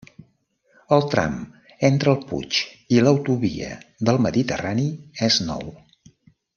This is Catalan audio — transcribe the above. El tram entre el Puig i l'Autovia del Mediterrani és nou.